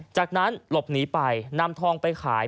จากนั้นหลบหนีไปนำทองไปขาย